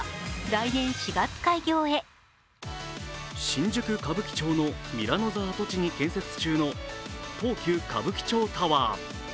新宿・歌舞伎町のミラノ座跡地に建設中の東急歌舞伎町タワー。